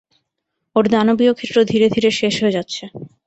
ওর দানবীয় ক্ষেত্র ধীরে ধীরে শেষ হয়ে যাচ্ছে।